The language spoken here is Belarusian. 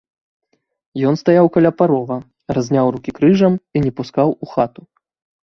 Ён стаяў каля парога, разняў рукі крыжам і не пускаў у хату.